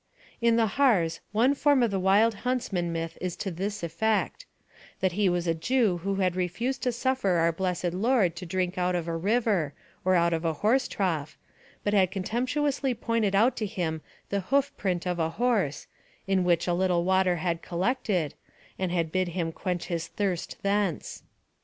In the Harz one form of the Wild Huntsman myth is to this effect: that he was a Jew who had refused to suffer our Blessed Lord to drink out of a river, or out of a horse trough, but had contemptuously pointed out to Him the hoof print of a horse, in which a little water had collected, and had bid Him quench His thirst thence.